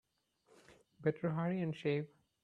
Better hurry and shave.